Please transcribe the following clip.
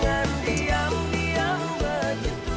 jangan diam diam begitu